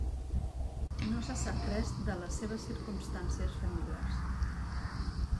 No se sap res de les seves circumstàncies familiars.